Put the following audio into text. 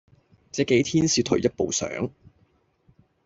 這幾天是退一步想：